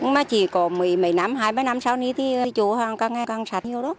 mà chỉ có mấy năm hai mươi năm sau này thì chỗ hàng càng sạt nhiều đó